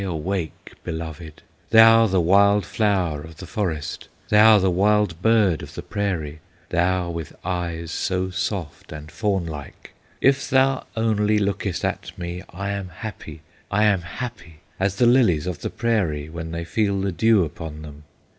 Awake, beloved! Thou the wild flower of the forest! Thou the wild bird of the prairie! Thou with eyes so soft and fawn like! "If thou only lookest at me, I am happy, I am happy, As the lilies of the prairie, When they feel the dew upon them!